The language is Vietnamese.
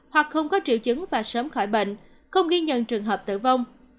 hoặc không có triệu chứng và sớm khỏi bệnh không ghi nhận trường hợp tử vong